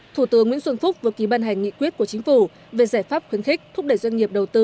thủ tướng nguyễn xuân phúc vừa ký ban hành nghị quyết của chính phủ về giải pháp khuyến khích thúc đẩy doanh nghiệp đầu tư